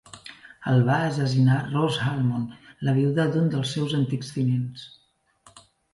El va assassinar Rose Almond, la viuda d'un dels seus antics tinents.